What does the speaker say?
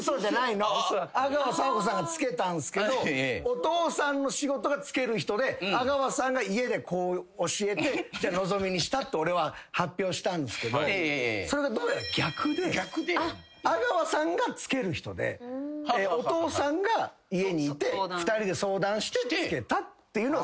阿川佐和子さんが付けたんすけどお父さんの仕事が付ける人で阿川さんが家で教えてのぞみにしたって俺は発表したんですけどそれがどうやら逆で阿川さんが付ける人でお父さんが家にいて２人で相談して付けたっていうのが正解らしくて。